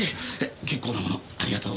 結構な物ありがとうございます。